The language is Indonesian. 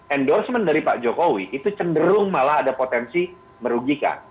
endorsement dari pak jokowi itu cenderung malah ada potensi merugikan